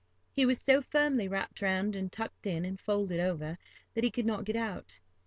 He was so firmly wrapped round and tucked in and folded over, that he could not get out.